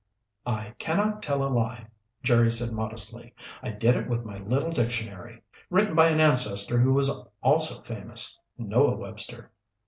"I cannot tell a lie," Jerry said modestly. "I did it with my little dictionary. Written by an ancestor who was also famous. Noah Webster."